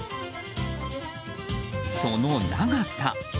その長さ。